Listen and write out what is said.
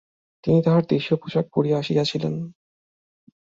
তিনি তাঁহার দেশীয় পোষাক পরিয়া আসিয়াছিলেন।